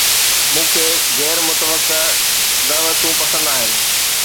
مون کي غير متوقع دعوتون پسند آهن